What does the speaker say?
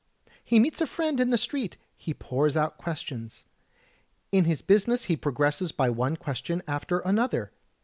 He meets a friend in the street, he pours out questions. In his business he progresses by one question after another.